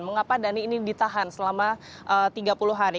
mengapa dhani ini ditahan selama tiga puluh hari